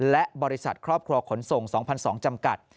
และบริษัทครอบครัวขนส่ง๒๒๐๐จำกัด